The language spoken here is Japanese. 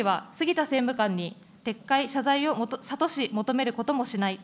岸田総理は杉田政務官に撤回、謝罪を諭し、求めることもしない。